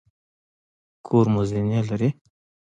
کور مو زینې لري؟